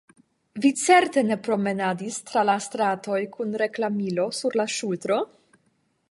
Vi certe ne promenadis tra la stratoj kun reklamilo sur la ŝultro?